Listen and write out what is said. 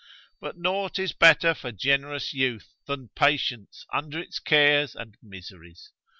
But naught is better for generous youth than patience under its cares and miseries.